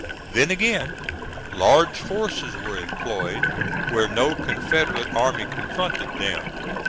Then, again, large forces were employed where no Confederate army confronted them.